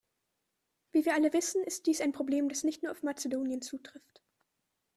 Wie wir alle wissen, ist dies ein Problem, dass nicht nur auf Mazedonien zutrifft.